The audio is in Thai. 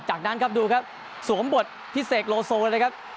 จากนั้นครับดูครับสวมบทพี่เสกโลโซเลยครับ